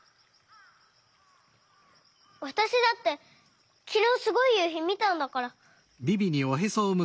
わたしだってきのうすごいゆうひみたんだから。